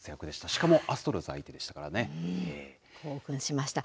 しかもアストロズ相手でしたから興奮しました。